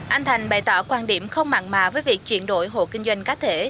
anh thành bày tỏ quan điểm không mạng mà với việc chuyển đổi hộ kinh doanh các thể